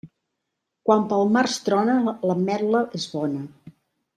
Quan per març trona, l'ametla és bona.